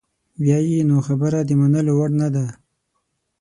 بیا یې نو خبره د منلو وړ نده.